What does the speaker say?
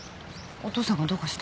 お父さんがどうかした？